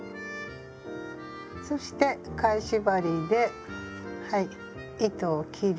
そして返し針ではい糸を切り。